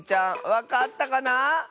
わかったかな？